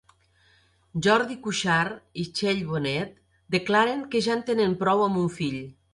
Jordi Cuixart i Txell Bonet declaren que ja en tenen prou amb un fill